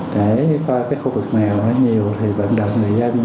để coi khu vực mèo nhiều thì bệnh đậm